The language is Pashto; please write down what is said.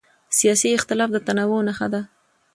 سیاسي اختلاف د تنوع نښه ده